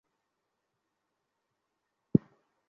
আমি পা দিয়া ছুঁইতেই ভাইঙা গেসে, ঠিক করাও নাই কেন, আগে!